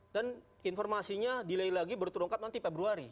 dan informasinya delay lagi berturunkan nanti februari